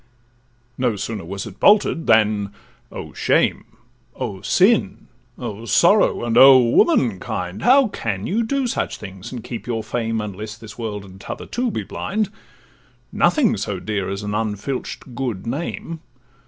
No sooner was it bolted, than—Oh shame! O sin! Oh sorrow! and oh womankind! How can you do such things and keep your fame, Unless this world, and t' other too, be blind? Nothing so dear as an unfilch'd good name!